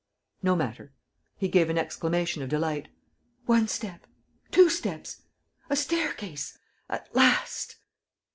"No matter." He gave an exclamation of delight. "One step ... two steps! ... A staircase. ... At last!"